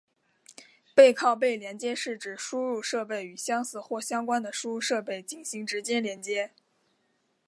背靠背连接是指将输出设备与相似或相关的输入设备进行直接连接。